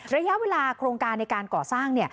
ระยะเวลาโครงการในการก่อสร้าง